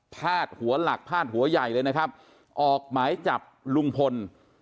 พาดหัวหลักพาดหัวใหญ่เลยนะครับออกหมายจับลุงพล